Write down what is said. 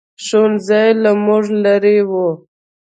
ښوؤنځی له موږ لرې ؤ